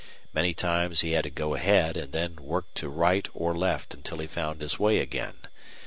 Many times he had to go ahead and then work to right or left till he found his way again.